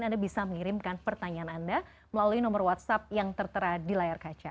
anda bisa mengirimkan pertanyaan anda melalui nomor whatsapp yang tertera di layar kaca